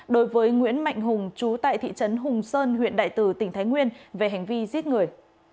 đối với nguyễn mạnh hùng chú tại thị trấn hùng sơn huyện đại từ tỉnh thái nguyên về hành vi giết người